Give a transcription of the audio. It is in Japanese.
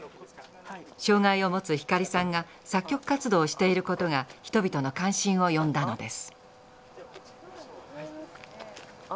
障害を持つ光さんが作曲活動をしていることが人々の関心を呼んだのです。